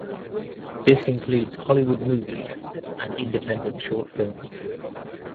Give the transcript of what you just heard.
This includes Hollywood movies and independent short films.